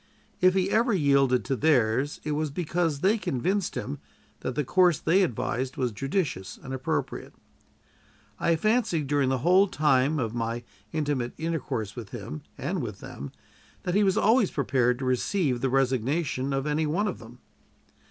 If he ever yielded to theirs, it was because they convinced him that the course they advised was judicious and appropriate. I fancied during the whole time of my intimate intercourse with him and with them that he was always prepared to receive the resignation of any one of them.